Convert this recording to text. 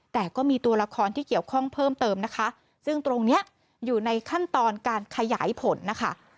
แต่ก็มีตัวละครที่เกี่ยวข้องเพิ่มเติมนะคะซึ่งตรงเนี้ยอยู่ในขั้นตอนการขยายผลนะคะ